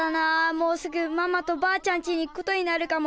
もうすぐママとばあちゃんちに行くことになるかも。